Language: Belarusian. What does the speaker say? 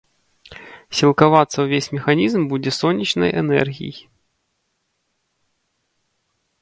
Сілкавацца ўвесь механізм будзе сонечнай энергій.